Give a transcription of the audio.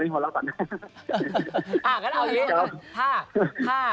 หัวเล่าก่อนตอนนี้